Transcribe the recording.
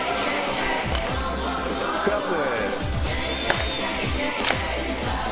クラップ！